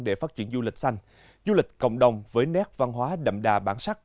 để phát triển du lịch xanh du lịch cộng đồng với nét văn hóa đậm đà bản sắc